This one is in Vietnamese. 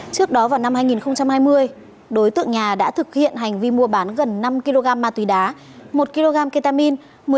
trước đó vào năm hai nghìn hai mươi đối tượng nhà đã thực hiện hành vi mua bán gần năm kg ma túy đá một kg ketamine